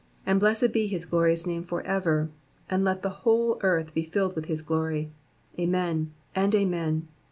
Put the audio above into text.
19 And blessed de his glorious name for ever : and let the whole earth be filled zt't//i his glory : Amen, and Amen.